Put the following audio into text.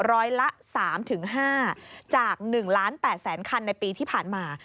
ร้อยละ๓๕จาก๑ล้าน๘แสนคันในปีที่ผ่านมา